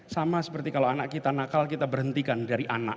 sama seperti kalau anak kita nakal kita berhentikan dari anak